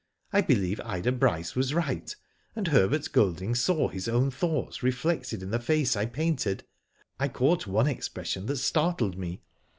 I believe Ida Bryce was right, and Herbert Golding saw his own thoughts reflected in the face I painted. I caught one expression that startled me.